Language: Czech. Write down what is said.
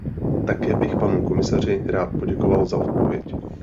Také bych panu komisaři rád poděkoval za odpověď.